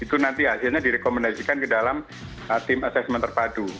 itu nanti hasilnya direkomendasikan ke dalam tim asesmen terpadu